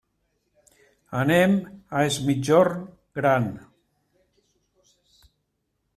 Anem a es Migjorn Gran.